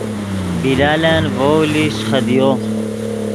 بلالن ڤؤ لیشچ خدیو